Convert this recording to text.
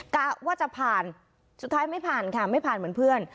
กะว่าจะผ่านสุดท้ายไม่ผ่านค่ะไม่ผ่านเหมือนเพื่อน